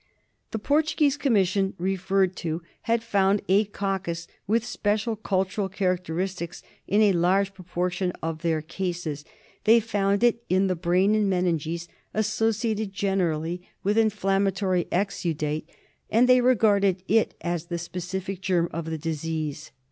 The Portuguese commission referred to had found a coccus with special cultural characteristics in a large proportion of their cases. They found it in the brain and meninges associated generally with inflammatory I20 THE SLEEPING SICKNESS. exudate, and they regarded it as the specific germ of the disease.